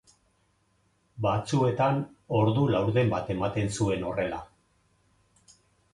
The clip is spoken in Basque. Batzuetan, ordu laurden bat ematen zuen horrela.